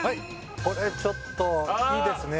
これちょっといいですね